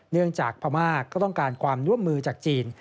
จากพม่าก็ต้องการความร่วมมือจากจีน